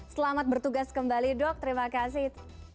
selamat bertugas kembali dok terima kasih